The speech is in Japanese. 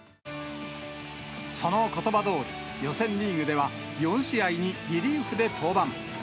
そのことばどおり、予選リーグでは、４試合にリリーフで登板。